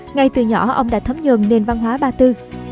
ngay từ nhỏ ông đã thấm nhuận nền văn hóa ba tư